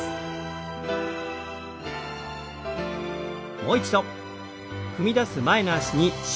もう一度。